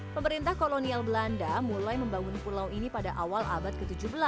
pemerintah kolonial belanda mulai membangun pulau ini pada awal abad ke tujuh belas